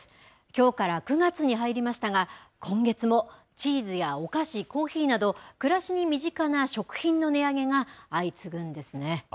きょうから９月に入りましたが、今月もチーズやお菓子、コーヒーなど、暮らしに身近な食品の値上げが相次ぐんですね。